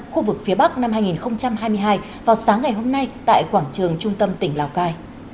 khu vực phía bắc năm hai nghìn hai mươi hai vào sáng ngày hôm nay tại quảng trường trung tâm tỉnh lào cai